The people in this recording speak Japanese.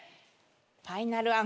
ファイナルアンサー？